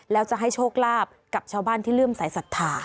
แล้วจะให้โชคลาภกับชาวบ้านที่เริ่มสายศรัทธา